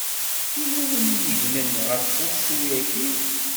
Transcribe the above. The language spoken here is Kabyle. Yella win i yegnen ɣef ussu-yaki.